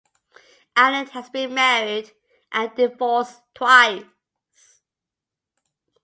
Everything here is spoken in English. Allen has been married and divorced twice.